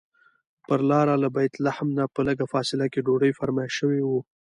پر لاره له بیت لحم نه په لږه فاصله کې ډوډۍ فرمایش شوی و.